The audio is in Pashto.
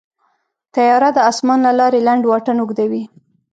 طیاره د اسمان له لارې لنډ واټن اوږدوي.